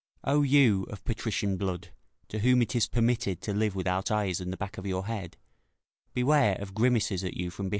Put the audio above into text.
["O you, of patrician blood, to whom it is permitted to live with(out) eyes in the back of your head, beware of grimaces at you from behind."